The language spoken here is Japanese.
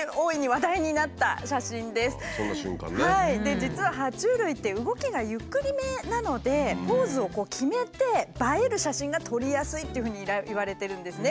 実はは虫類って動きがゆっくりめなのでポーズを決めて映える写真が撮りやすいっていうふうにいわれてるんですね。